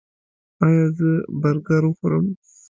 ایا زه برګر وخورم؟